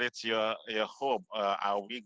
di komponen barang